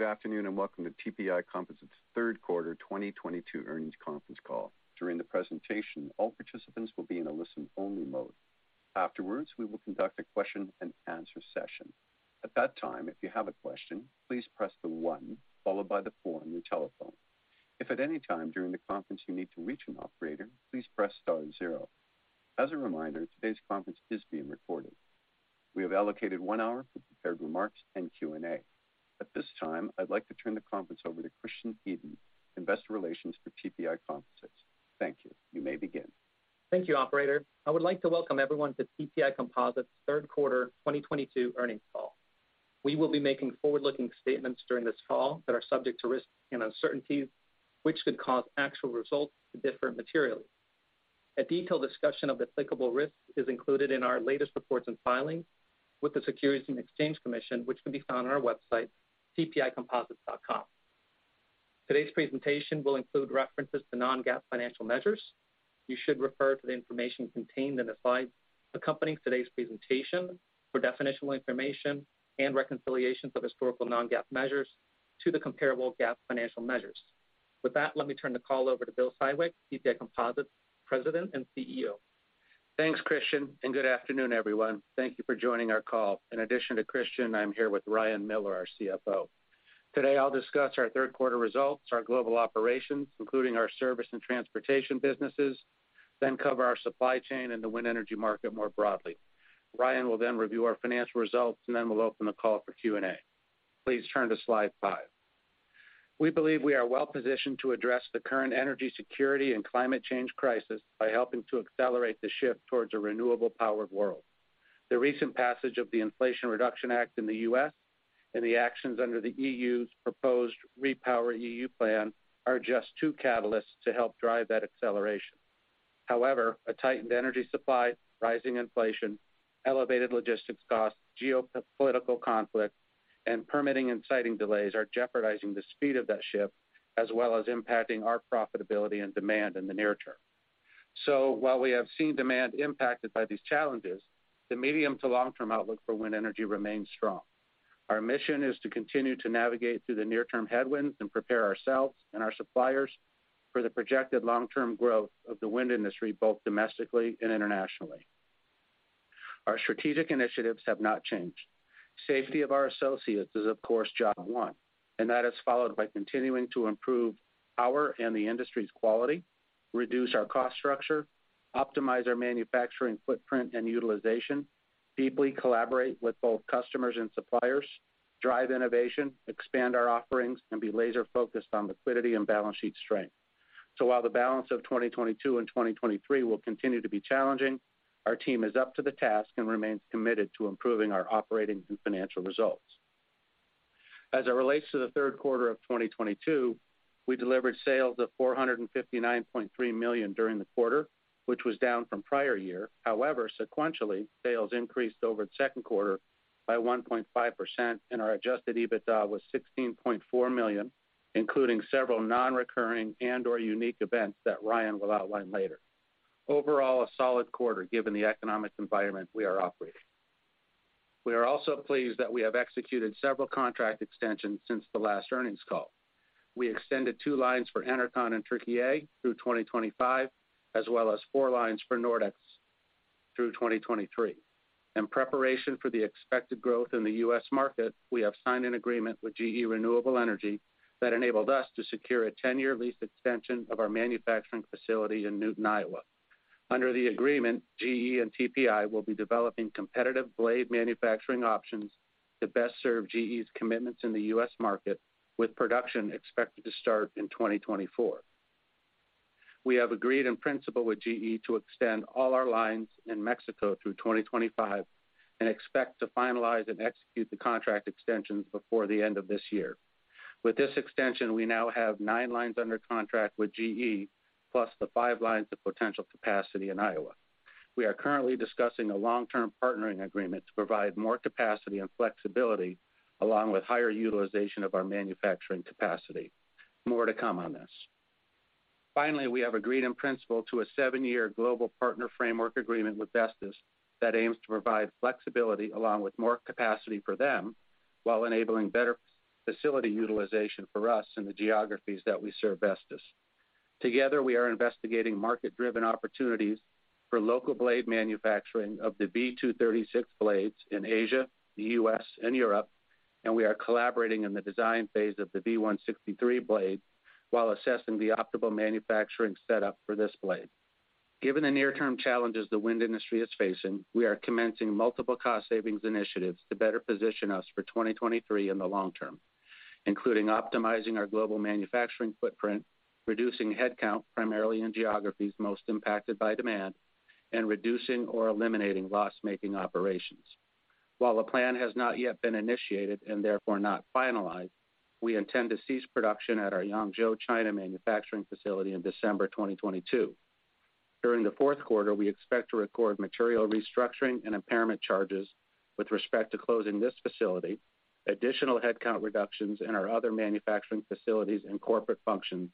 Good afternoon, and welcome to TPI Composites' third quarter 2022 earnings conference call. During the presentation, all participants will be in a listen-only mode. Afterwards, we will conduct a question-and-answer session. At that time, if you have a question, please press the one followed by the four on your telephone. If at any time during the conference you need to reach an operator, please press star zero. As a reminder, today's conference is being recorded. We have allocated one hour for prepared remarks and Q&A. At this time, I'd like to turn the conference over to Christian Edin, Investor Relations for TPI Composites. Thank you. You may begin. Thank you, operator. I would like to welcome everyone to TPI Composites' third quarter 2022 earnings call. We will be making forward-looking statements during this call that are subject to risks and uncertainties, which could cause actual results to differ materially. A detailed discussion of applicable risks is included in our latest reports and filings with the Securities and Exchange Commission, which can be found on our website, tpicomposites.com. Today's presentation will include references to non-GAAP financial measures. You should refer to the information contained in the slides accompanying today's presentation for definitional information and reconciliations of historical non-GAAP measures to the comparable GAAP financial measures. With that, let me turn the call over to Bill Siwek, TPI Composites' President and CEO. Thanks, Christian, and good afternoon, everyone. Thank you for joining our call. In addition to Christian, I'm here with Ryan Miller, our CFO. Today, I'll discuss our third quarter results, our global operations, including our service and transportation businesses, then cover our supply chain and the wind energy market more broadly. Ryan will then review our financial results, and then we'll open the call for Q&A. Please turn to slide five. We believe we are well-positioned to address the current energy security and climate change crisis by helping to accelerate the shift towards a renewable powered world. The recent passage of the Inflation Reduction Act in the U.S. and the actions under the EU's proposed REPowerEU plan are just two catalysts to help drive that acceleration. However, a tightened energy supply, rising inflation, elevated logistics costs, geopolitical conflict, and permitting and siting delays are jeopardizing the speed of that shift, as well as impacting our profitability and demand in the near term. While we have seen demand impacted by these challenges, the medium to long-term outlook for wind energy remains strong. Our mission is to continue to navigate through the near-term headwinds and prepare ourselves and our suppliers for the projected long-term growth of the wind industry, both domestically and internationally. Our strategic initiatives have not changed. Safety of our associates is of course job one, and that is followed by continuing to improve our and the industry's quality, reduce our cost structure, optimize our manufacturing footprint and utilization, deeply collaborate with both customers and suppliers, drive innovation, expand our offerings, and be laser-focused on liquidity and balance sheet strength. While the balance of 2022 and 2023 will continue to be challenging, our team is up to the task and remains committed to improving our operating and financial results. As it relates to the third quarter of 2022, we delivered sales of $459.3 million during the quarter, which was down from prior year. However, sequentially, sales increased over the second quarter by 1.5%, and our adjusted EBITDA was $16.4 million, including several non-recurring and/or unique events that Ryan will outline later. Overall, a solid quarter given the economic environment we are operating. We are also pleased that we have executed several contract extensions since the last earnings call. We extended two lines for Enercon in Türkiye through 2025, as well as four lines for Nordex through 2023. In preparation for the expected growth in the U.S. market, we have signed an agreement with GE Renewable Energy that enabled us to secure a 10-year lease extension of our manufacturing facility in Newton, Iowa. Under the agreement, GE and TPI will be developing competitive blade manufacturing options to best serve GE's commitments in the U.S. market, with production expected to start in 2024. We have agreed in principle with GE to extend all our lines in Mexico through 2025 and expect to finalize and execute the contract extensions before the end of this year. With this extension, we now have nine lines under contract with GE, plus the five lines of potential capacity in Iowa. We are currently discussing a long-term partnering agreement to provide more capacity and flexibility, along with higher utilization of our manufacturing capacity. More to come on this. Finally, we have agreed in principle to a seven-year global partner framework agreement with Vestas that aims to provide flexibility along with more capacity for them, while enabling better facility utilization for us in the geographies that we serve Vestas. Together, we are investigating market-driven opportunities for local blade manufacturing of the V236 blades in Asia, the U.S., and Europe, and we are collaborating in the design phase of the V163 blade while assessing the optimal manufacturing setup for this blade. Given the near-term challenges the wind industry is facing, we are commencing multiple cost savings initiatives to better position us for 2023 in the long term, including optimizing our global manufacturing footprint, reducing headcount, primarily in geographies most impacted by demand, and reducing or eliminating loss-making operations. While a plan has not yet been initiated and therefore not finalized, we intend to cease production at our Yangzhou, China manufacturing facility in December 2022. During the fourth quarter, we expect to record material restructuring and impairment charges with respect to closing this facility, additional headcount reductions in our other manufacturing facilities and corporate functions,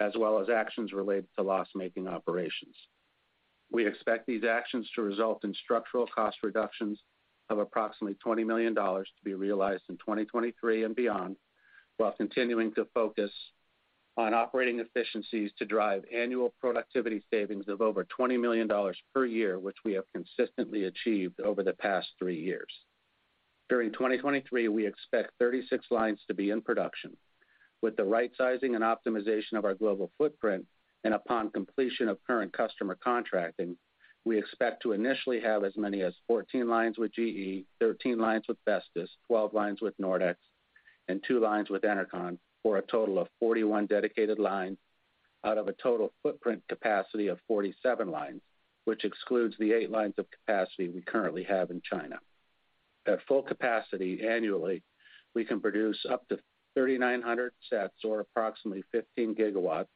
as well as actions related to loss-making operations. We expect these actions to result in structural cost reductions of approximately $20 million to be realized in 2023 and beyond, while continuing to focus on operating efficiencies to drive annual productivity savings of over $20 million per year, which we have consistently achieved over the past three years. During 2023, we expect 36 lines to be in production. With the rightsizing and optimization of our global footprint, and upon completion of current customer contracting, we expect to initially have as many as 14 lines with GE, 13 lines with Vestas, 12 lines with Nordex, and two lines with Enercon, for a total of 41 dedicated lines out of a total footprint capacity of 47 lines, which excludes the eight lines of capacity we currently have in China. At full capacity annually, we can produce up to 3,900 sets or approximately 15 GW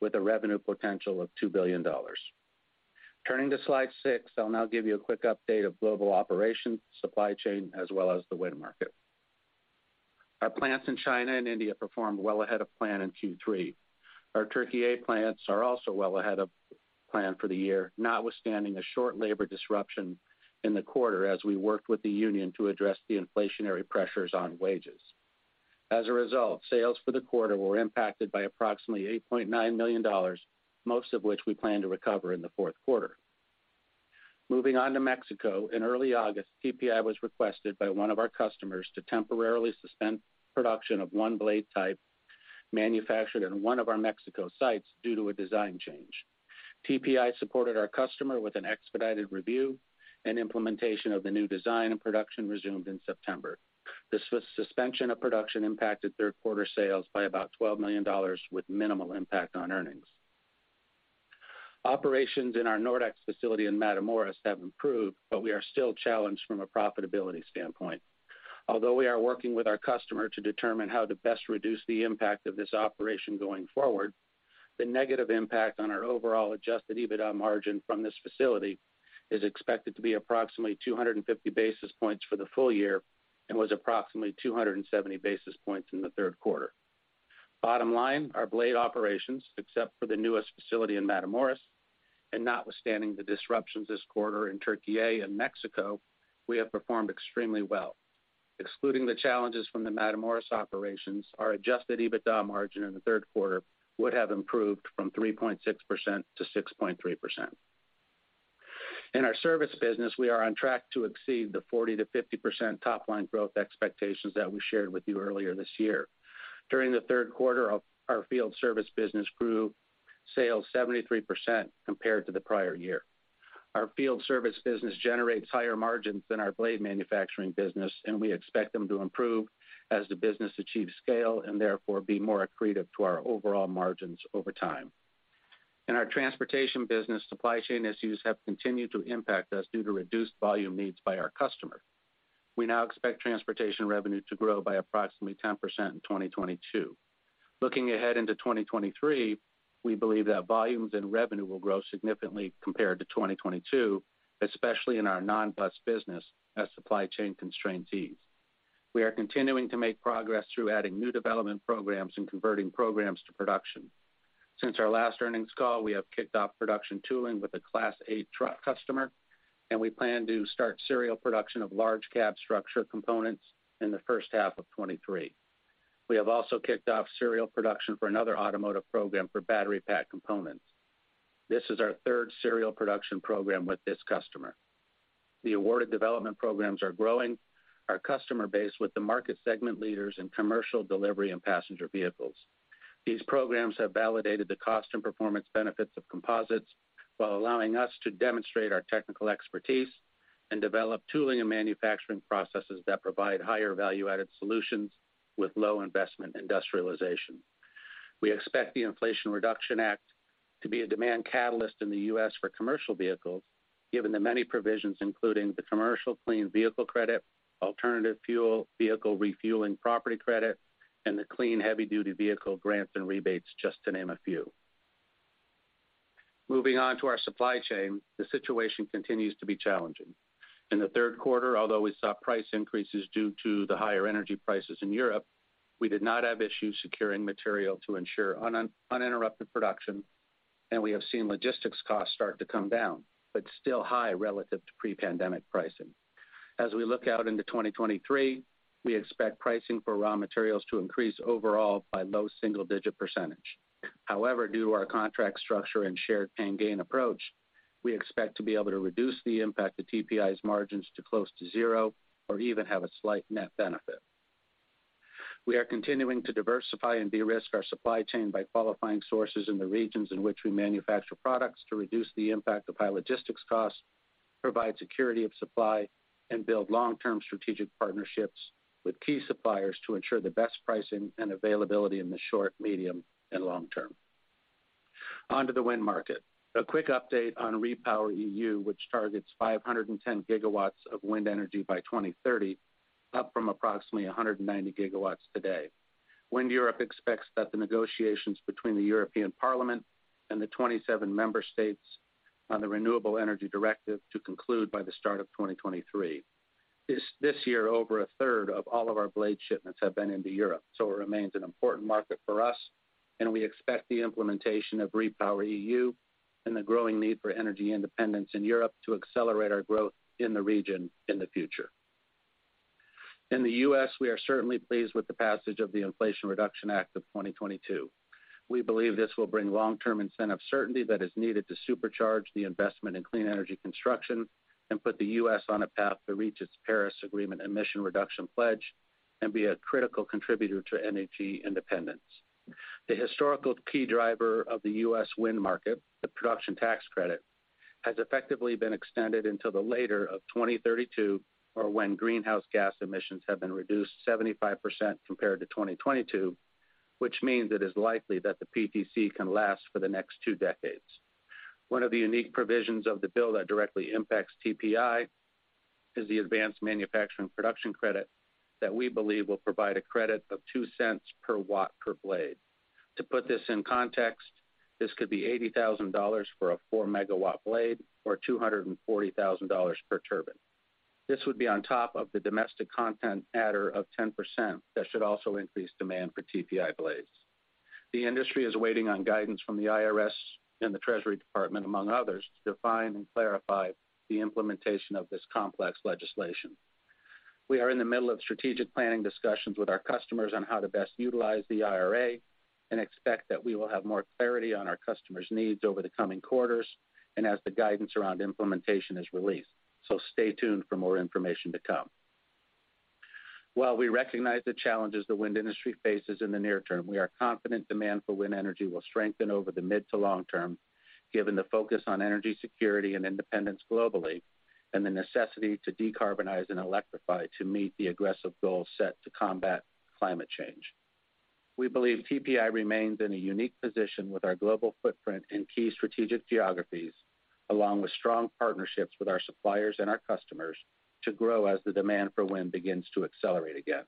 with a revenue potential of $2 billion. Turning to slide six, I'll now give you a quick update of global operations, supply chain, as well as the wind market. Our plants in China and India performed well ahead of plan in Q3. Our Türkiye plants are also well ahead of plan for the year, notwithstanding a short labor disruption in the quarter as we worked with the union to address the inflationary pressures on wages. As a result, sales for the quarter were impacted by approximately $8.9 million, most of which we plan to recover in the fourth quarter. Moving on to Mexico. In early August, TPI was requested by one of our customers to temporarily suspend production of one blade type manufactured in one of our Mexico sites due to a design change. TPI supported our customer with an expedited review and implementation of the new design, and production resumed in September. The suspension of production impacted third quarter sales by about $12 million with minimal impact on earnings. Operations in our Nordex facility in Matamoros have improved, but we are still challenged from a profitability standpoint. Although we are working with our customer to determine how to best reduce the impact of this operation going forward, the negative impact on our overall adjusted EBITDA margin from this facility is expected to be approximately 250 basis points for the full year and was approximately 270 basis points in the third quarter. Bottom line, our blade operations, except for the newest facility in Matamoros, and notwithstanding the disruptions this quarter in Türkiye and Mexico, we have performed extremely well. Excluding the challenges from the Matamoros operations, our adjusted EBITDA margin in the third quarter would have improved from 3.6% to 6.3%. In our service business, we are on track to exceed the 40%-50% top line growth expectations that we shared with you earlier this year. During the third quarter, our field service business grew sales 73% compared to the prior year. Our field service business generates higher margins than our blade manufacturing business, and we expect them to improve as the business achieves scale and therefore be more accretive to our overall margins over time. In our transportation business, supply chain issues have continued to impact us due to reduced volume needs by our customer. We now expect transportation revenue to grow by approximately 10% in 2022. Looking ahead into 2023, we believe that volumes and revenue will grow significantly compared to 2022, especially in our non-bus business as supply chain constraints ease. We are continuing to make progress through adding new development programs and converting programs to production. Since our last earnings call, we have kicked off production tooling with a Class 8 truck customer, and we plan to start serial production of large cab structure components in the first half of 2023. We have also kicked off serial production for another automotive program for battery pack components. This is our third serial production program with this customer. The awarded development programs are growing our customer base with the market segment leaders in commercial delivery and passenger vehicles. These programs have validated the cost and performance benefits of composites while allowing us to demonstrate our technical expertise and develop tooling and manufacturing processes that provide higher value-added solutions with low investment industrialization. We expect the Inflation Reduction Act to be a demand catalyst in the U.S. for commercial vehicles, given the many provisions, including the Commercial Clean Vehicle Credit, Alternative Fuel Vehicle Refueling Property Credit, and the Clean Heavy-Duty Vehicle grants and rebates, just to name a few. Moving on to our supply chain, the situation continues to be challenging. In the third quarter, although we saw price increases due to the higher energy prices in Europe, we did not have issues securing material to ensure uninterrupted production, and we have seen logistics costs start to come down, but still high relative to pre-pandemic pricing. As we look out into 2023, we expect pricing for raw materials to increase overall by low single-digit percentage. However, due to our contract structure and shared pain gain approach, we expect to be able to reduce the impact to TPI's margins to close to zero or even have a slight net benefit. We are continuing to diversify and de-risk our supply chain by qualifying sources in the regions in which we manufacture products to reduce the impact of high logistics costs, provide security of supply, and build long-term strategic partnerships with key suppliers to ensure the best pricing and availability in the short, medium, and long term. On to the wind market. A quick update on REPowerEU, which targets 510 GW of wind energy by 2030, up from approximately 190 GW today. WindEurope expects that the negotiations between the European Parliament and the 27 member states on the Renewable Energy Directive to conclude by the start of 2023. This year, over a third of all of our blade shipments have been into Europe, so it remains an important market for us, and we expect the implementation of REPowerEU and the growing need for energy independence in Europe to accelerate our growth in the region in the future. In the U.S., we are certainly pleased with the passage of the Inflation Reduction Act of 2022. We believe this will bring long-term incentive certainty that is needed to supercharge the investment in clean energy construction and put the U.S. on a path to reach its Paris Agreement emission reduction pledge and be a critical contributor to energy independence. The historical key driver of the U.S. wind market, the Production Tax Credit, has effectively been extended until the later of 2032 or when greenhouse gas emissions have been reduced 75% compared to 2022, which means it is likely that the PTC can last for the next two decades. One of the unique provisions of the bill that directly impacts TPI is the Advanced Manufacturing Production Credit that we believe will provide a credit of $0.02 per watt per blade. To put this in context, this could be $80,000 for a 4-MW blade or $240,000 per turbine. This would be on top of the domestic content adder of 10% that should also increase demand for TPI blades. The industry is waiting on guidance from the IRS and the Treasury Department, among others, to define and clarify the implementation of this complex legislation. We are in the middle of strategic planning discussions with our customers on how to best utilize the IRA and expect that we will have more clarity on our customers' needs over the coming quarters and as the guidance around implementation is released. Stay tuned for more information to come. While we recognize the challenges the wind industry faces in the near term, we are confident demand for wind energy will strengthen over the mid to long term, given the focus on energy security and independence globally and the necessity to decarbonize and electrify to meet the aggressive goals set to combat climate change. We believe TPI remains in a unique position with our global footprint in key strategic geographies, along with strong partnerships with our suppliers and our customers to grow as the demand for wind begins to accelerate again.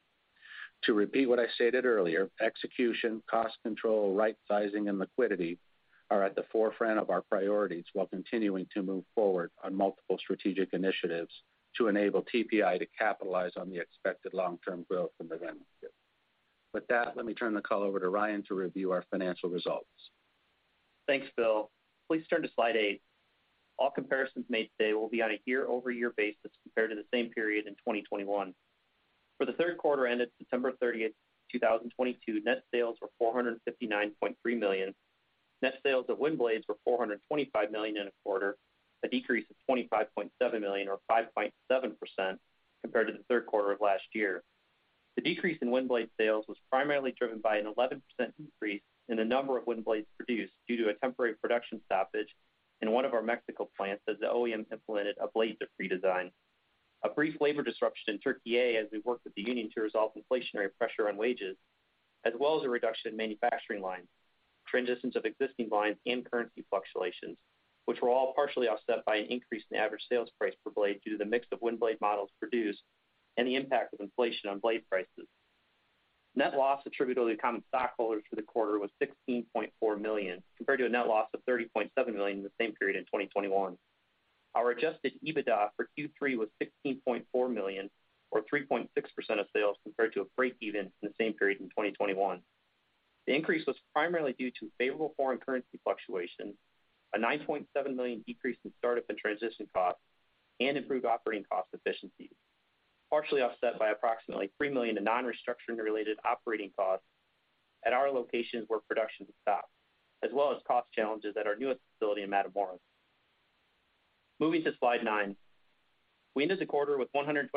To repeat what I stated earlier, execution, cost control, right sizing and liquidity are at the forefront of our priorities while continuing to move forward on multiple strategic initiatives to enable TPI to capitalize on the expected long-term growth in the wind market. With that, let me turn the call over to Ryan to review our financial results. Thanks, Bill. Please turn to slide eight. All comparisons made today will be on a year-over-year basis compared to the same period in 2021. For the third quarter ended September 30th, 2022, net sales were $459.3 million. Net sales of wind blades were $425 million in a quarter, a decrease of $25.7 million or 5.7% compared to the third quarter of last year. The decrease in wind blade sales was primarily driven by an 11% increase in the number of wind blades produced due to a temporary production stoppage in one of our Mexico plants as the OEM implemented a blade redesign. A brief labor disruption in Türkiye as we worked with the union to resolve inflationary pressure on wages, as well as a reduction in manufacturing lines, transitions of existing lines and currency fluctuations, which were all partially offset by an increase in average sales price per blade due to the mix of wind blade models produced and the impact of inflation on blade prices. Net loss attributable to common stockholders for the quarter was $16.4 million, compared to a net loss of $30.7 million in the same period in 2021. Our adjusted EBITDA for Q3 was $16.4 million or 3.6% of sales compared to a breakeven in the same period in 2021. The increase was primarily due to favorable foreign currency fluctuations, a $9.7 million decrease in startup and transition costs, and improved operating cost efficiencies, partially offset by approximately $3 million in non-restructuring related operating costs at our locations where production has stopped, as well as cost challenges at our newest facility in Matamoros. Moving to slide nine. We ended the quarter with $129.1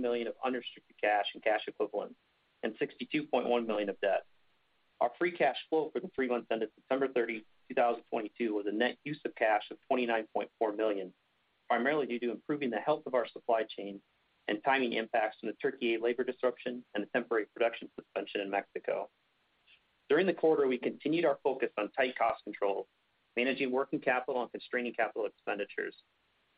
million of unrestricted cash and cash equivalents and $62.1 million of debt. Our free cash flow for the three months ended September 30, 2022, was a net use of cash of $29.4 million, primarily due to improving the health of our supply chain and timing impacts from the Türkiye labor disruption and a temporary production suspension in Mexico. During the quarter, we continued our focus on tight cost control, managing working capital and constraining capital expenditures.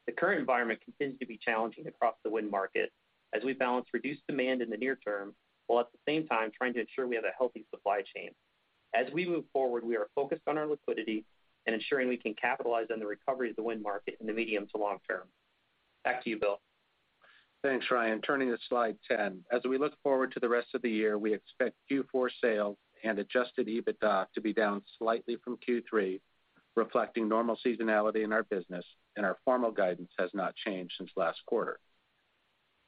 The current environment continues to be challenging across the wind market as we balance reduced demand in the near term, while at the same time trying to ensure we have a healthy supply chain. As we move forward, we are focused on our liquidity and ensuring we can capitalize on the recovery of the wind market in the medium to long term. Back to you, Bill. Thanks, Ryan. Turning to slide 10. As we look forward to the rest of the year, we expect Q4 sales and adjusted EBITDA to be down slightly from Q3, reflecting normal seasonality in our business, and our formal guidance has not changed since last quarter.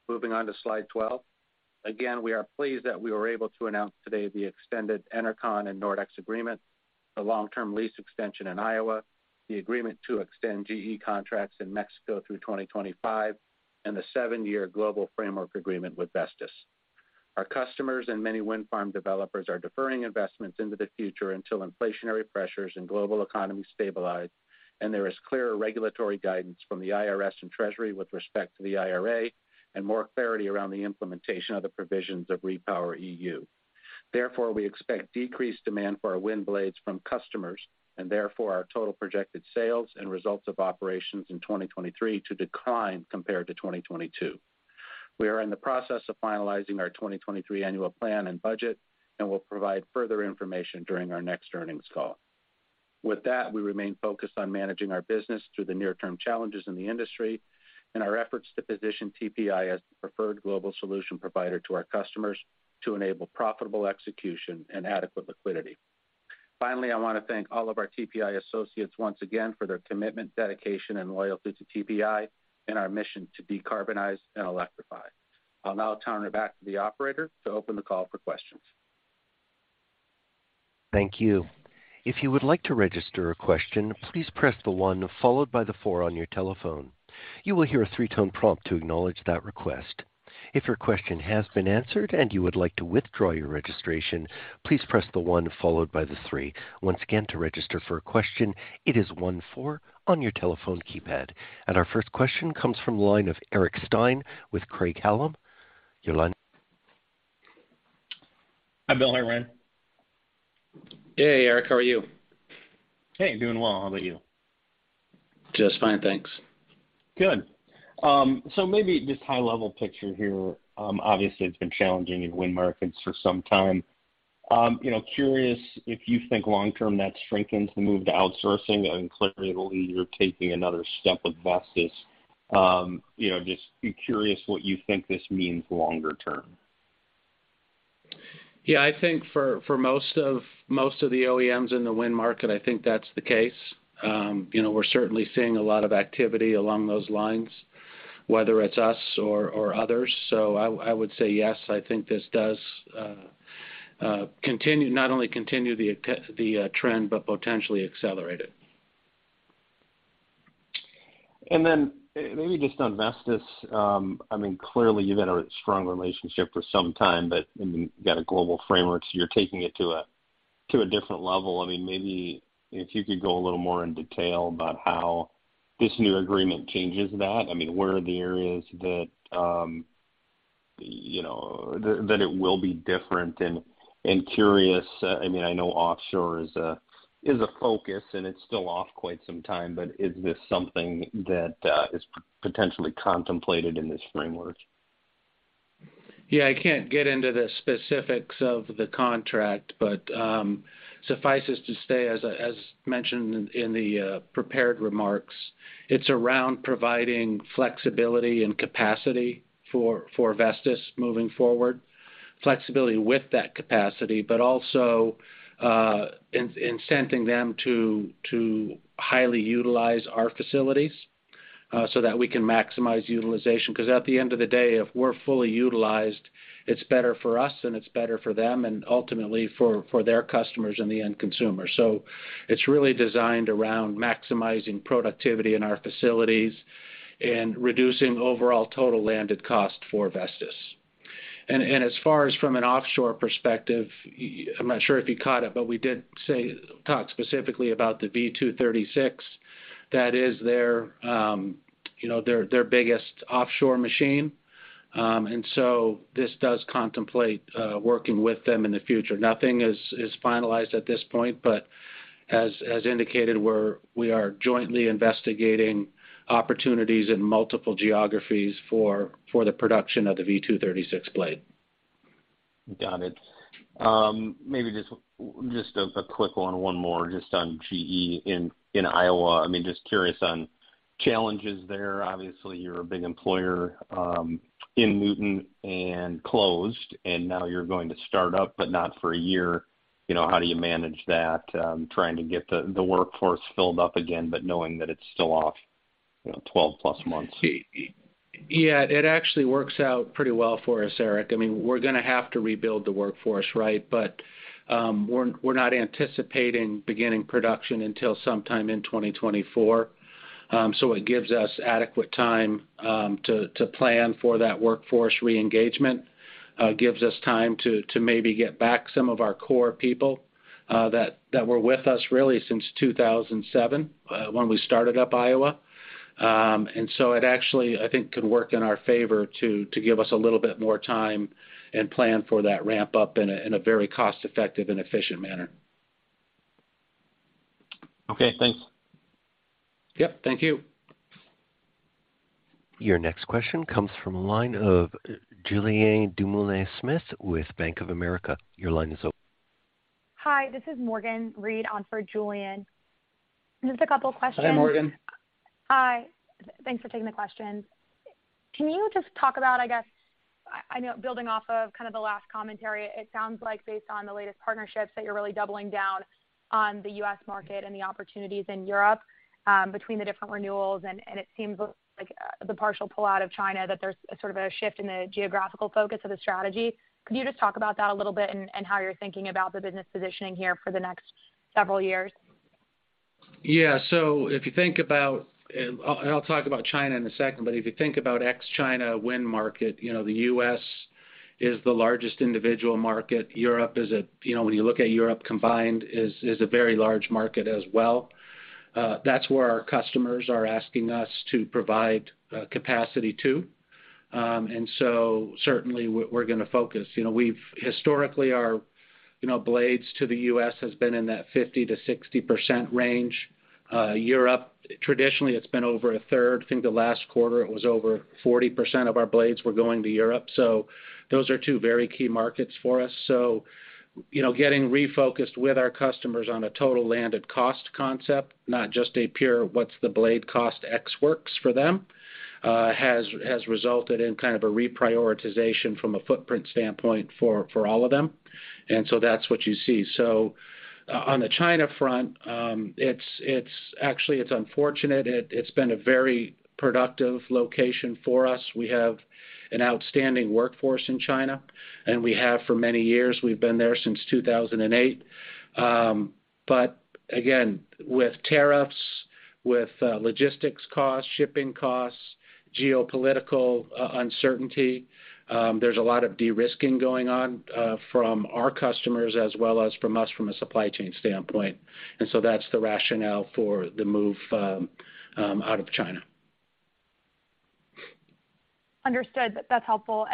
Moving on to slide 12. We are pleased that we were able to announce today the extended Enercon and Nordex agreement, the long-term lease extension in Iowa, the agreement to extend GE contracts in Mexico through 2025, and the seven-year global framework agreement with Vestas. Our customers and many wind farm developers are deferring investments into the future until inflationary pressures and global economy stabilize and there is clearer regulatory guidance from the IRS and Treasury with respect to the IRA and more clarity around the implementation of the provisions of REPowerEU. Therefore, we expect decreased demand for our wind blades from customers, and therefore our total projected sales and results of operations in 2023 to decline compared to 2022. We are in the process of finalizing our 2023 annual plan and budget, and we'll provide further information during our next earnings call. With that, we remain focused on managing our business through the near-term challenges in the industry and our efforts to position TPI as the preferred global solution provider to our customers to enable profitable execution and adequate liquidity. Finally, I want to thank all of our TPI associates once again for their commitment, dedication and loyalty to TPI and our mission to decarbonize and electrify. I'll now turn it back to the operator to open the call for questions. Thank you. If you would like to register a question, please press the one followed by the four on your telephone. You will hear a three-tone prompt to acknowledge that request. If your question has been answered and you would like to withdraw your registration, please press the one followed by the three. Once again, to register for a question, it is one four on your telephone keypad. Our first question comes from the line of Eric Stine with Craig-Hallum. Your line- Hi, Bill and Ryan. Hey, Eric, how are you? Hey, doing well. How about you? Just fine, thanks. Good. Maybe just high-level picture here. Obviously, it's been challenging in wind markets for some time. You know, curious if you think long term that strengthens the move to outsourcing, and clearly it'll be you're taking another step with Vestas. You know, just be curious what you think this means longer term. Yeah. I think for most of the OEMs in the wind market, I think that's the case. You know, we're certainly seeing a lot of activity along those lines, whether it's us or others. I would say yes, I think this does continue, not only continue the trend, but potentially accelerate it. Then maybe just on Vestas, I mean, clearly, you've had a strong relationship for some time, but, I mean, you got a global framework, so you're taking it to a different level. I mean, maybe if you could go a little more in detail about how this new agreement changes that. I mean, where are the areas that, you know, that it will be different? Curious, I mean, I know offshore is a focus, and it's still off quite some time, but is this something that is potentially contemplated in this framework? Yeah. I can't get into the specifics of the contract, but suffices to say as mentioned in the prepared remarks, it's around providing flexibility and capacity for Vestas moving forward. Flexibility with that capacity, but also incenting them to highly utilize our facilities so that we can maximize utilization. 'Cause at the end of the day, if we're fully utilized, it's better for us and it's better for them and ultimately for their customers and the end consumer. So it's really designed around maximizing productivity in our facilities and reducing overall total landed cost for Vestas. As far as from an offshore perspective, I'm not sure if you caught it, but we did talk specifically about the V236. That is their you know their biggest offshore machine. This does contemplate working with them in the future. Nothing is finalized at this point, but as indicated, we are jointly investigating opportunities in multiple geographies for the production of the V236 blade. Got it. Maybe just a quick one more on GE in Iowa. I mean, just curious on challenges there. Obviously, you're a big employer in Newton and closed, and now you're going to start up, but not for a year. You know, how do you manage that trying to get the workforce filled up again, but knowing that it's still off, you know, 12+ months? Yeah. It actually works out pretty well for us, Eric. I mean, we're gonna have to rebuild the workforce, right? We're not anticipating beginning production until sometime in 2024. It gives us adequate time to plan for that workforce re-engagement. Gives us time to maybe get back some of our core people that were with us really since 2007 when we started up Iowa. It actually, I think, could work in our favor to give us a little bit more time and plan for that ramp up in a very cost-effective and efficient manner. Okay, thanks. Yep, thank you. Your next question comes from the line of Julien Dumoulin-Smith with Bank of America. Your line is open. Hi, this is Morgan Reid on for Julien. Just a couple questions. Hi, Morgan. Hi. Thanks for taking the questions. Can you just talk about, I guess, I know building off of kind of the last commentary, it sounds like based on the latest partnerships that you're really doubling down on the U.S. market and the opportunities in Europe, between the different renewals, and it seems like the partial pullout of China that there's a sort of a shift in the geographical focus of the strategy. Could you just talk about that a little bit and how you're thinking about the business positioning here for the next several years? I'll talk about China in a second, but if you think about ex-China wind market, you know, the U.S. is the largest individual market. Europe is a, you know, when you look at Europe combined, is a very large market as well. That's where our customers are asking us to provide capacity to. Certainly we're gonna focus. You know, we've historically our, you know, blades to the U.S. has been in that 50%-60% range. Europe, traditionally, it's been over 1/3. I think the last quarter it was over 40% of our blades were going to Europe. Those are two very key markets for us. You know, getting refocused with our customers on a total landed cost concept, not just a pure what's the blade cost X works for them, has resulted in kind of a reprioritization from a footprint standpoint for all of them. That's what you see. On the China front, it's actually unfortunate. It's been a very productive location for us. We have an outstanding workforce in China, and we have for many years. We've been there since 2008. Again, with tariffs, with logistics costs, shipping costs, geopolitical uncertainty, there's a lot of de-risking going on from our customers as well as from us from a supply chain standpoint. That's the rationale for the move out of China. Understood. That's helpful.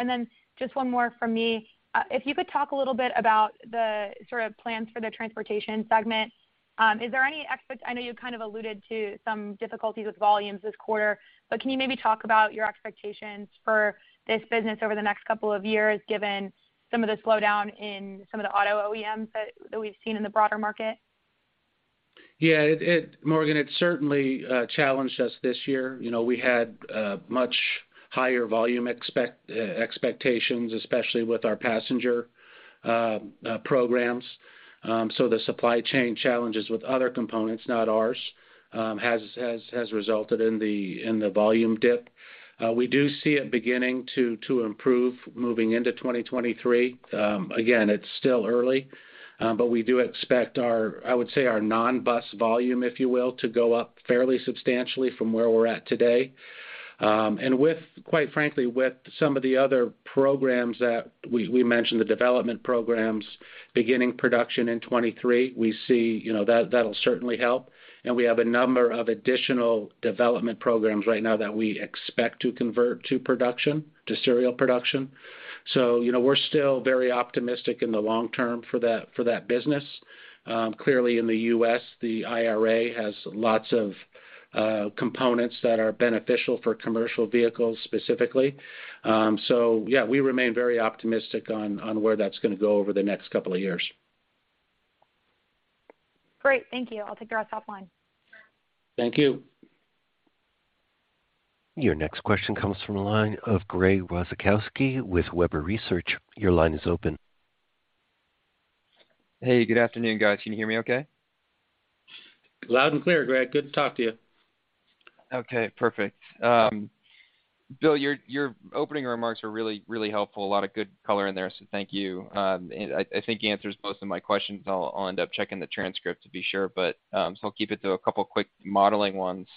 Just one more from me. If you could talk a little bit about the sort of plans for the transportation segment, I know you kind of alluded to some difficulties with volumes this quarter, but can you maybe talk about your expectations for this business over the next couple of years, given some of the slowdown in some of the auto OEMs that we've seen in the broader market? Yeah. Morgan, it certainly challenged us this year. You know, we had much higher volume expectations, especially with our passenger programs. So the supply chain challenges with other components, not ours, has resulted in the volume dip. We do see it beginning to improve moving into 2023. Again, it's still early, but we do expect our, I would say, our non-bus volume, if you will, to go up fairly substantially from where we're at today. And with, quite frankly, some of the other programs that we mentioned, the development programs beginning production in 2023, we see, you know, that'll certainly help. We have a number of additional development programs right now that we expect to convert to production, to serial production. You know, we're still very optimistic in the long term for that business. Clearly in the U.S., the IRA has lots of components that are beneficial for commercial vehicles specifically. Yeah, we remain very optimistic on where that's gonna go over the next couple of years. Great. Thank you. I'll take the rest offline. Thank you. Your next question comes from the line of Greg Wasikowski with Webber Research. Your line is open. Hey, good afternoon, guys. Can you hear me okay? Loud and clear, Greg. Good to talk to you. Okay, perfect. Bill, your opening remarks were really, really helpful. A lot of good color in there, so thank you. I think you answered most of my questions. I'll end up checking the transcript to be sure, but I'll keep it to a couple quick modeling ones.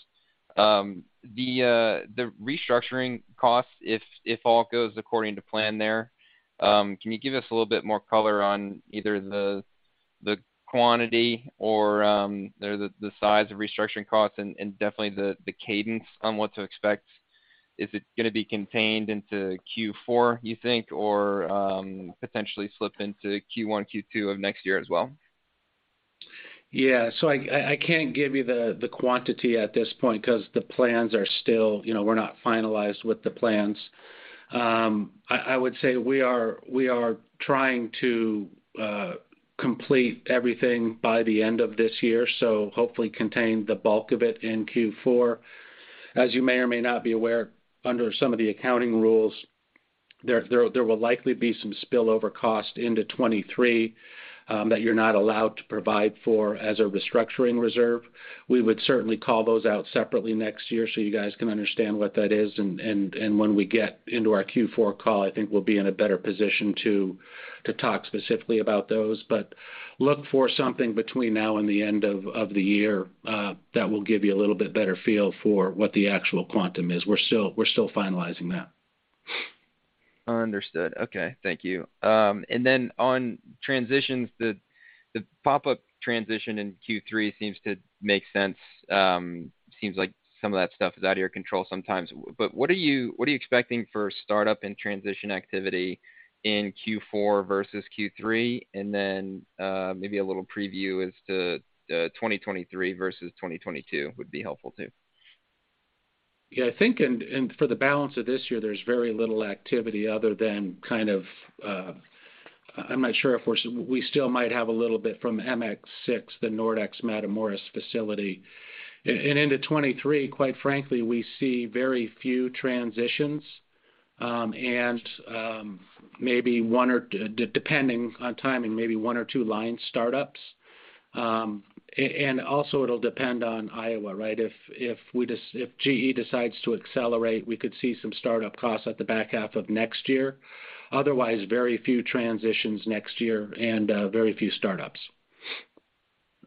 The restructuring costs, if all goes according to plan there, can you give us a little bit more color on either the quantity or the size of restructuring costs and definitely the cadence on what to expect? Is it gonna be contained into Q4, you think, or potentially slip into Q1, Q2 of next year as well? Yeah. I can't give you the quantity at this point 'cause the plans are still. You know, we're not finalized with the plans. I would say we are trying to complete everything by the end of this year, so hopefully contain the bulk of it in Q4. As you may or may not be aware, under some of the accounting rules, there will likely be some spillover cost into 2023 that you're not allowed to provide for as a restructuring reserve. We would certainly call those out separately next year so you guys can understand what that is. When we get into our Q4 call, I think we'll be in a better position to talk specifically about those. Look for something between now and the end of the year that will give you a little bit better feel for what the actual quantum is. We're still finalizing that. Understood. Okay. Thank you. On transitions, the pop-up transition in Q3 seems to make sense. Seems like some of that stuff is out of your control sometimes. What are you expecting for startup and transition activity in Q4 versus Q3? Maybe a little preview as to 2023 versus 2022 would be helpful too. Yeah, I think for the balance of this year, there's very little activity other than kind of, I'm not sure we still might have a little bit from MX6, the Nordex Matamoros facility. Into 2023, quite frankly, we see very few transitions. Depending on timing, maybe one or two line startups. Also it'll depend on Iowa, right? If GE decides to accelerate, we could see some startup costs at the back half of next year. Otherwise, very few transitions next year and very few startups.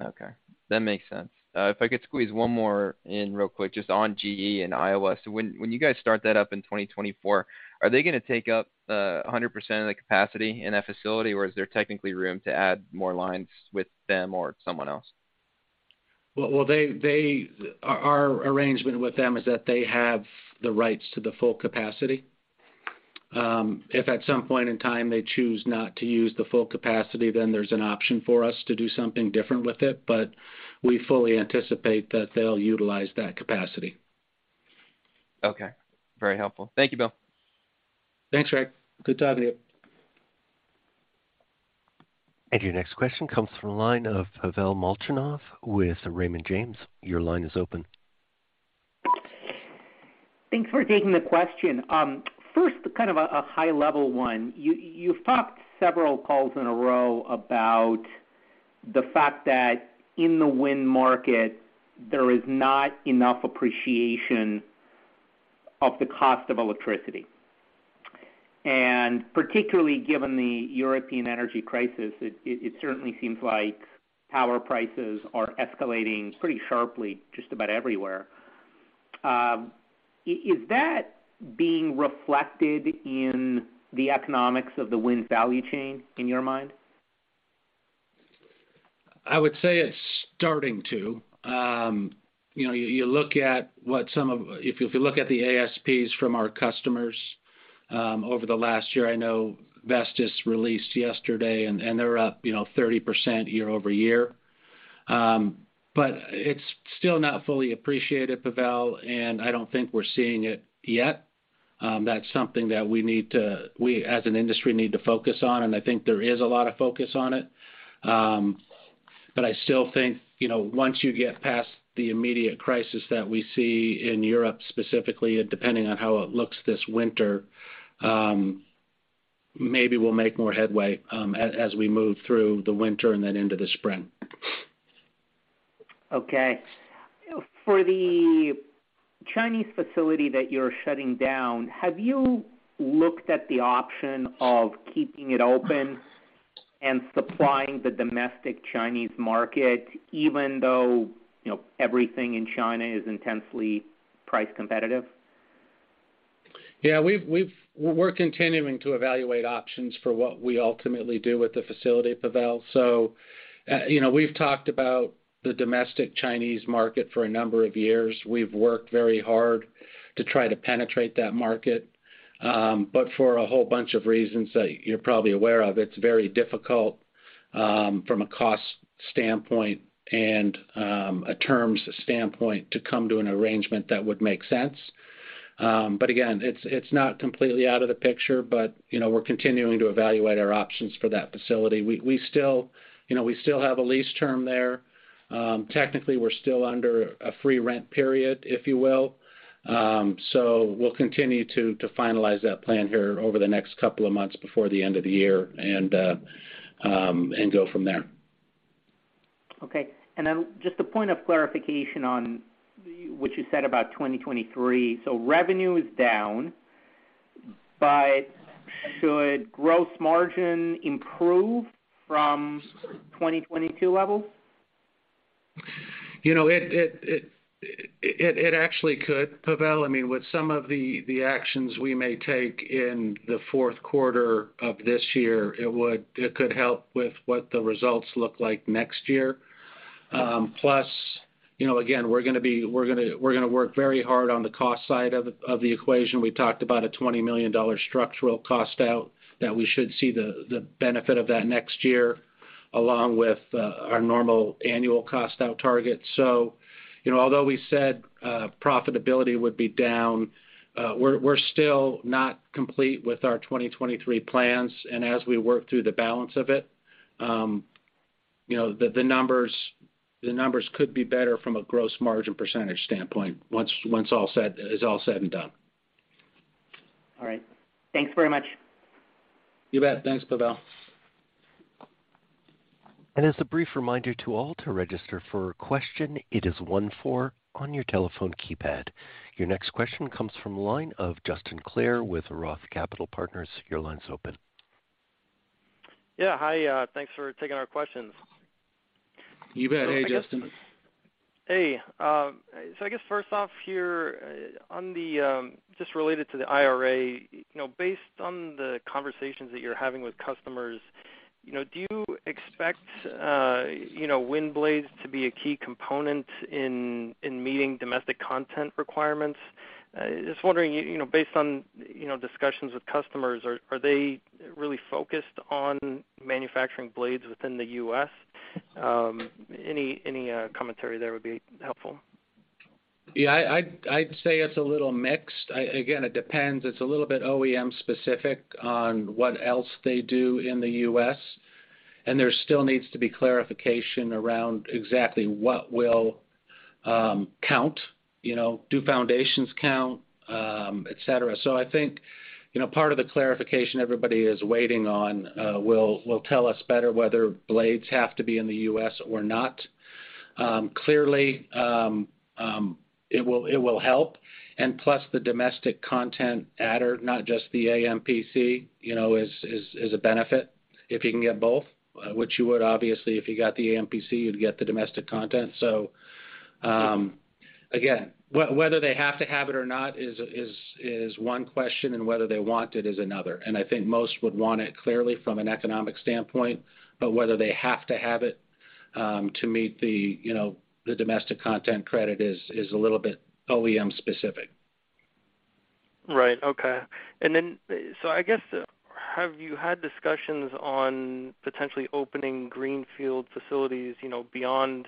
Okay, that makes sense. If I could squeeze one more in real quick, just on GE and Iowa. When you guys start that up in 2024, are they gonna take up 100% of the capacity in that facility, or is there technically room to add more lines with them or someone else? Well, our arrangement with them is that they have the rights to the full capacity. If at some point in time they choose not to use the full capacity, then there's an option for us to do something different with it, but we fully anticipate that they'll utilize that capacity. Okay. Very helpful. Thank you, Bill. Thanks, Greg. Good talking to you. Your next question comes from the line of Pavel Molchanov with Raymond James. Your line is open. Thanks for taking the question. First, kind of a high-level one. You've talked several calls in a row about the fact that in the wind market there is not enough appreciation of the cost of electricity. Particularly given the European energy crisis, it certainly seems like power prices are escalating pretty sharply just about everywhere. Is that being reflected in the economics of the wind value chain in your mind? I would say it's starting to. You know, if you look at the ASPs from our customers, over the last year, I know Vestas released yesterday, and they're up, you know, 30% year-over-year. But it's still not fully appreciated, Pavel, and I don't think we're seeing it yet. That's something that we as an industry need to focus on, and I think there is a lot of focus on it. But I still think, you know, once you get past the immediate crisis that we see in Europe specifically, and depending on how it looks this winter, maybe we'll make more headway, as we move through the winter and then into the spring. Okay. For the Chinese facility that you're shutting down, have you looked at the option of keeping it open and supplying the domestic Chinese market, even though, you know, everything in China is intensely price competitive? Yeah. We're continuing to evaluate options for what we ultimately do with the facility, Pavel. You know, we've talked about the domestic Chinese market for a number of years. We've worked very hard to try to penetrate that market. For a whole bunch of reasons that you're probably aware of, it's very difficult from a cost standpoint and a terms standpoint to come to an arrangement that would make sense. Again, it's not completely out of the picture. You know, we're continuing to evaluate our options for that facility. You know, we still have a lease term there. Technically, we're still under a free rent period, if you will. We'll continue to finalize that plan here over the next couple of months before the end of the year and go from there. Okay. Just a point of clarification on what you said about 2023. Revenue is down, but should gross margin improve from 2022 levels? You know, it actually could, Pavel. I mean, with some of the actions we may take in the fourth quarter of this year, it could help with what the results look like next year. Plus, you know, again, we're gonna work very hard on the cost side of the equation. We talked about a $20 million structural cost out that we should see the benefit of that next year, along with our normal annual cost out target. You know, although we said profitability would be down, we're still not complete with our 2023 plans. As we work through the balance of it, you know, the numbers could be better from a gross margin percentage standpoint once all is said and done. All right. Thanks very much. You bet. Thanks, Pavel. As a brief reminder to all to register for a question, it is one four on your telephone keypad. Your next question comes from the line of Justin Clare with ROTH Capital Partners. Your line's open. Yeah. Hi. Thanks for taking our questions. You bet. Hey, Justin. Hey. I guess first off here, on just related to the IRA, you know, based on the conversations that you're having with customers, you know, do you expect, you know, wind blades to be a key component in meeting domestic content requirements? Just wondering, you know, based on, you know, discussions with customers, are they really focused on manufacturing blades within the U.S.? Any commentary there would be helpful. Yeah. I'd say it's a little mixed. Again, it depends. It's a little bit OEM-specific on what else they do in the U.S., and there still needs to be clarification around exactly what will count. You know, do foundations count? Et cetera. I think, you know, part of the clarification everybody is waiting on will tell us better whether blades have to be in the U.S. or not. Clearly, it will help. Plus the domestic content adder, not just the AMPC, you know, is a benefit. If you can get both, which you would obviously, if you got the AMPC, you'd get the domestic content. Again, whether they have to have it or not is one question, and whether they want it is another. I think most would want it clearly from an economic standpoint. Whether they have to have it to meet the, you know, the domestic content credit is a little bit OEM-specific. Right. Okay. I guess, have you had discussions on potentially opening greenfield facilities, you know, beyond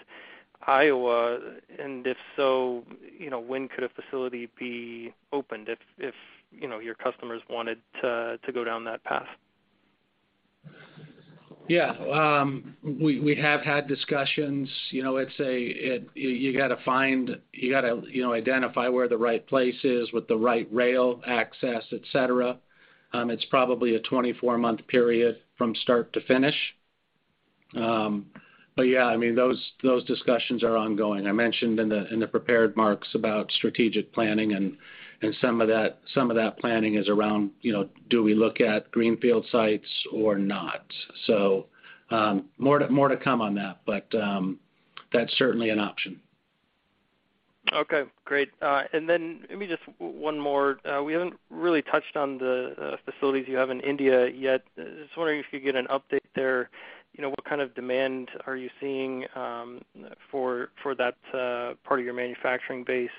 Iowa? If so, you know, when could a facility be opened if, you know, your customers wanted to go down that path? Yeah. We have had discussions. You know, you gotta identify where the right place is with the right rail access, et cetera. It's probably a 24-month period from start to finish. But yeah, I mean, those discussions are ongoing. I mentioned in the prepared remarks about strategic planning and some of that planning is around, you know, do we look at greenfield sites or not? More to come on that, but that's certainly an option. Okay, great. Let me just one more. We haven't really touched on the facilities you have in India yet. Just wondering if you could get an update there. You know, what kind of demand are you seeing for that part of your manufacturing base?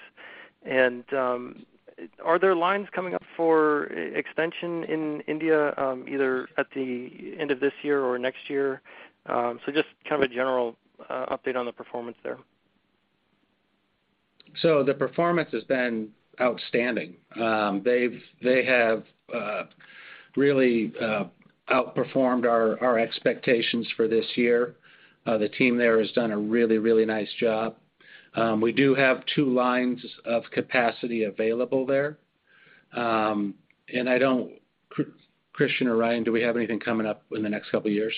Are there lines coming up for extension in India, either at the end of this year or next year? Just kind of a general update on the performance there. The performance has been outstanding. They have really outperformed our expectations for this year. The team there has done a really nice job. We do have two lines of capacity available there. I don't. Christian or Ryan, do we have anything coming up in the next couple years?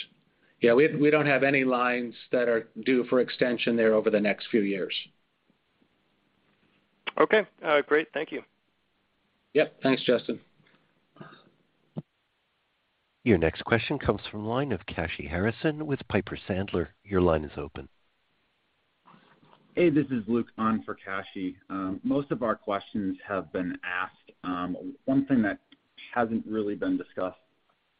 Yeah, we don't have any lines that are due for extension there over the next few years. Okay. All right, great. Thank you. Yep. Thanks, Justin. Your next question comes from line of Kashy Harrison with Piper Sandler. Your line is open. Hey, this is Luke on for Kashy. Most of our questions have been asked. One thing that hasn't really been discussed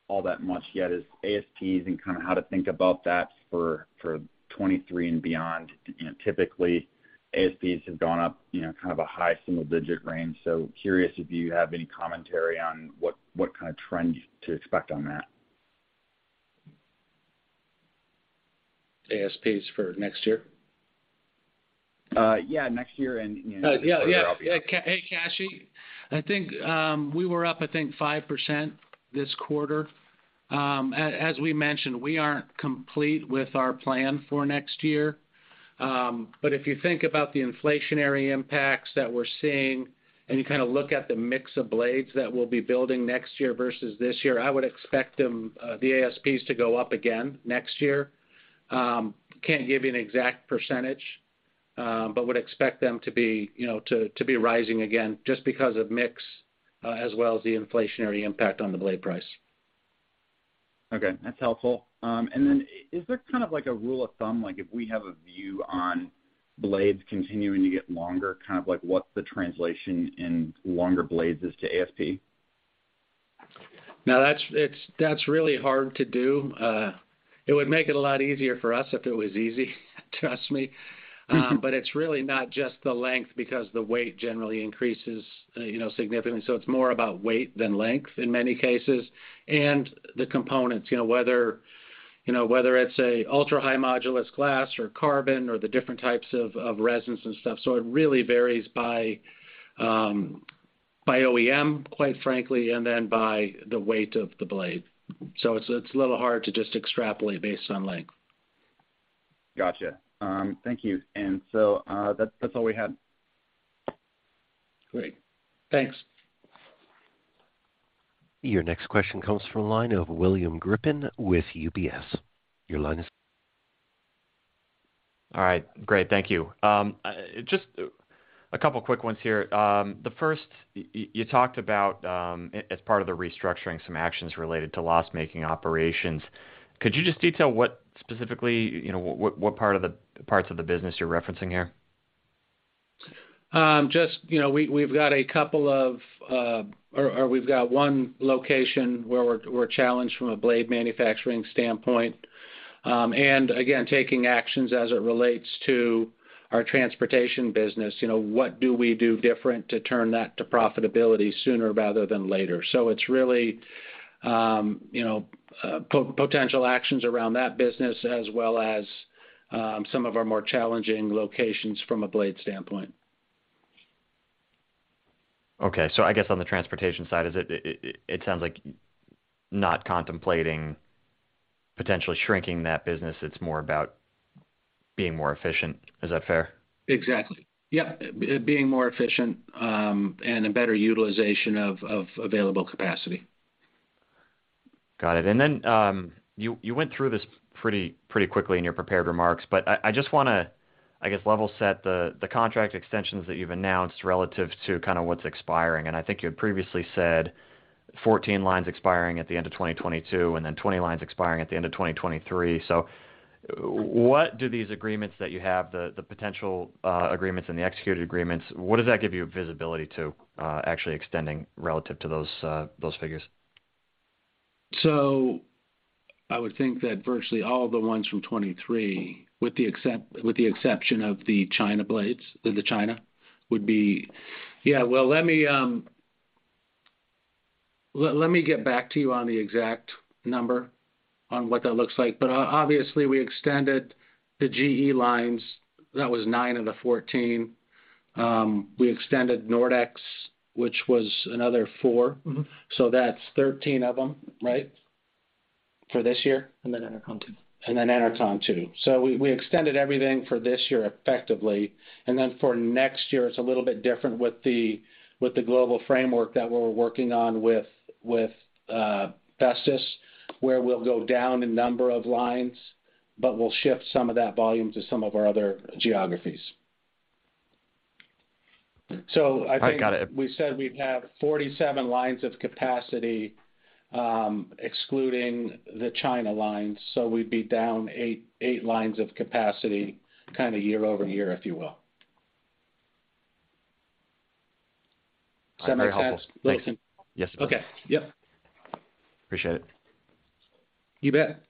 all that much yet is ASPs and kind of how to think about that for 2023 and beyond. You know, typically, ASPs have gone up, you know, kind of a high single-digit range. Curious if you have any commentary on what kind of trend to expect on that. ASPs for next year? Yeah, next year and, you know. Oh, yeah. Hey, Kashy. I think we were up, I think, 5% this quarter. As we mentioned, we aren't complete with our plan for next year. If you think about the inflationary impacts that we're seeing, and you kind of look at the mix of blades that we'll be building next year versus this year, I would expect them, the ASPs to go up again next year. Can't give you an exact percentage, but would expect them to be, you know, to be rising again just because of mix, as well as the inflationary impact on the blade price. Okay, that's helpful. Is there kind of like a rule of thumb, like if we have a view on blades continuing to get longer, kind of like, what's the translation in longer blades is to ASP? That's really hard to do. It would make it a lot easier for us if it was easy, trust me. But it's really not just the length because the weight generally increases, you know, significantly, so it's more about weight than length in many cases. The components, you know, whether, you know, whether it's ultra-high modulus glass or carbon or the different types of resins and stuff. It really varies by OEM, quite frankly, and then by the weight of the blade. It's a little hard to just extrapolate based on length. Gotcha. Thank you. That's all we had. Great. Thanks. Your next question comes from a line of William Grippin with UBS. Your line is- All right. Great. Thank you. Just a couple quick ones here. The first, you talked about as part of the restructuring some actions related to loss-making operations. Could you just detail what specifically, you know, what parts of the business you're referencing here? You know, we've got one location where we're challenged from a blade manufacturing standpoint, and again, taking actions as it relates to our transportation business. You know, what do we do different to turn that to profitability sooner rather than later? It's really potential actions around that business as well as some of our more challenging locations from a blade standpoint. Okay. I guess on the transportation side. Is it... Sounds like not contemplating potentially shrinking that business. It's more about being more efficient. Is that fair? Exactly. Yep. Being more efficient and a better utilization of available capacity. Got it. You went through this pretty quickly in your prepared remarks, but I just wanna, I guess, level set the contract extensions that you've announced relative to kinda what's expiring. I think you had previously said 14 lines expiring at the end of 2022 and then 20 lines expiring at the end of 2023. What do these agreements that you have, the potential agreements and the executed agreements, what does that give you visibility to actually extending relative to those figures? I would think that virtually all the ones from 2023, with the exception of the China blades, would be. Let me get back to you on the exact number on what that looks like. We extended the GE lines. That was nine of the 14. We extended Nordex, which was another four. Mm-hmm. That's 13 of them, right? For this year. Enercon too. Enercon too. We extended everything for this year effectively. For next year, it's a little bit different with the global framework that we're working on with Vestas, where we'll go down a number of lines, but we'll shift some of that volume to some of our other geographies. I think. I got it. We said we'd have 47 lines of capacity, excluding the China lines, so we'd be down eight lines of capacity kinda year-over-year, if you will. Very helpful. Does that make sense, William? Thanks. Yes. Okay. Yep. Appreciate it. You bet.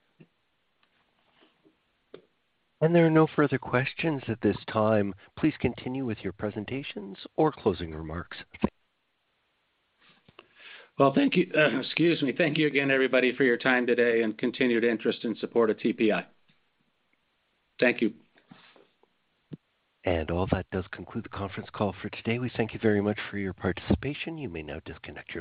There are no further questions at this time. Please continue with your presentations or closing remarks. Well, thank you. Excuse me. Thank you again, everybody, for your time today and continued interest and support of TPI. Thank you. All that does conclude the conference call for today. We thank you very much for your participation. You may now disconnect your lines.